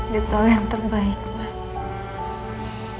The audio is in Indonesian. dia tau yang terbaik mah